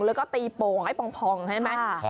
แล้วก็ตีโป่งให้พองใช่ไหม